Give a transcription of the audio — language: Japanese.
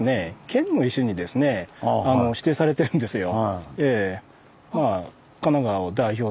県の石にですね指定されてるんですよ。